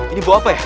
ini bau apa ya